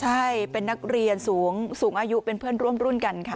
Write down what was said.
ใช่เป็นนักเรียนสูงอายุเป็นเพื่อนร่วมรุ่นกันค่ะ